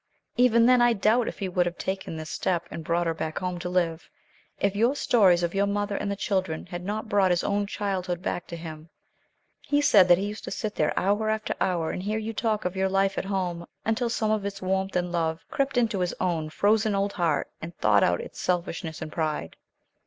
Even then, I doubt if he would have taken this step, and brought her back home to live, if your stories of your mother and the children had not brought his own childhood back to him. He said that he used to sit there hour after hour, and hear you talk of your life at home, until some of its warmth and love crept into his own frozen old heart, and thawed out its selfishness and pride."